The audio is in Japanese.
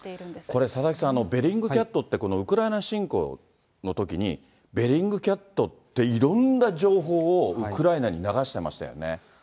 これ、佐々木さん、ベリングキャットって、このウクライナ侵攻のときに、ベリングキャットって、いろんな情報をウクライナに流してましたよね。